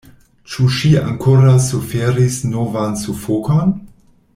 Ĉu ŝi ankoraŭ suferis novan sufokon?